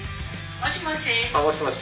もしもし。